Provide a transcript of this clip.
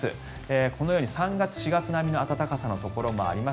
このように３月、４月並みの暖かさのところがあります。